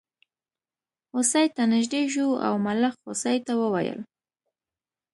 هوسۍ ته نژدې شو او ملخ هوسۍ ته وویل.